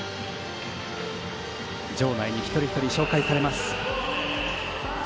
場内に一人ひとり紹介されます。